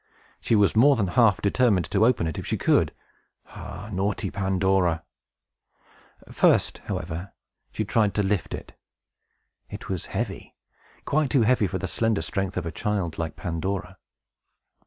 She was more than half determined to open it, if she could. Ah, naughty Pandora! First, however, she tried to lift it. It was heavy; quite too heavy for the slender strength of a child, like Pandora.